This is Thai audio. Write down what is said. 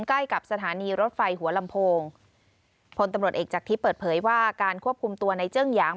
ใกล้กับสถานีรถไฟหัวลำโพงพลตำรวจเอกจากทิพย์เปิดเผยว่าการควบคุมตัวในเจิ้งหยาง